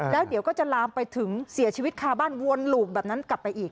แล้วเดี๋ยวก็จะลามไปถึงเสียชีวิตคาบ้านวนหลูบแบบนั้นกลับไปอีก